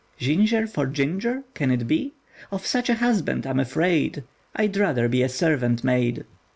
Jinjer for ginger can it be? Of such a husband I'm afraid; I'd rather be a servant maid."